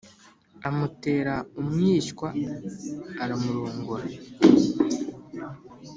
amutera umwishywa, aramurongora